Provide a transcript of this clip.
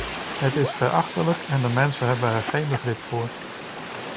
Het is verachtelijk en de mensen hebben er geen begrip voor.